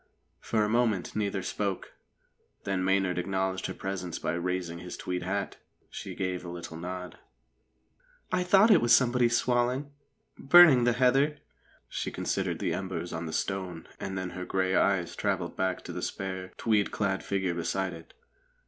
For a moment neither spoke; then Maynard acknowledged her presence by raising his tweed hat. She gave a little nod. "I thought it was somebody swaling burning the heather." She considered the embers on the stone, and then her grey eyes travelled back to the spare, tweed clad figure beside it.